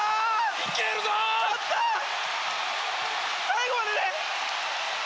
最後まで！